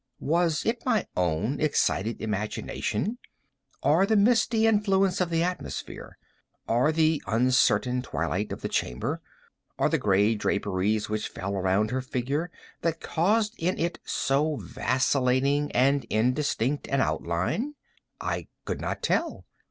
Was it my own excited imagination—or the misty influence of the atmosphere—or the uncertain twilight of the chamber—or the gray draperies which fell around her figure—that caused in it so vacillating and indistinct an outline? I could not tell.